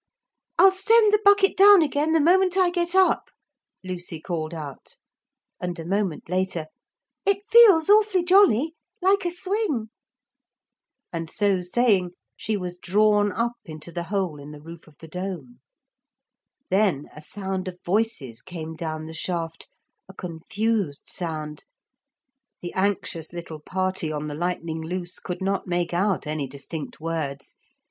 'I'll send the bucket down again the moment I get up,' Lucy called out; and a moment later, 'it feels awfully jolly, like a swing.' And so saying she was drawn up into the hole in the roof of the dome. Then a sound of voices came down the shaft, a confused sound; the anxious little party on the Lightning Loose could not make out any distinct words.